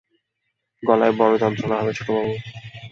গলায় বড় যন্ত্রণা হয় ছোটবাবু।